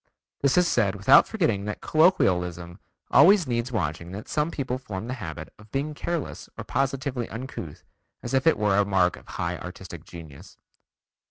This is said without forgetting that colloquialism always needs watching and that some people form the habit of being careless or positively uncouth as if it were a mark of high artistic genius."